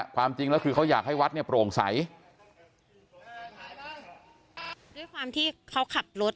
ความจริงแล้วคือเขาอยากให้วัดเนี่ยโปร่งใสด้วยความที่เขาขับรถ